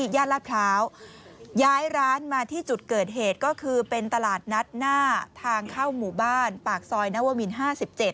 ย่านลาดพร้าวย้ายร้านมาที่จุดเกิดเหตุก็คือเป็นตลาดนัดหน้าทางเข้าหมู่บ้านปากซอยนวมิน๕๗